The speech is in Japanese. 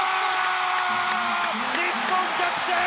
日本、逆転！